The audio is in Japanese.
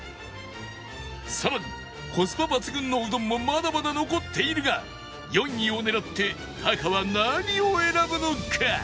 さらにコスパ抜群のうどんもまだまだ残っているが４位を狙ってタカは何を選ぶのか？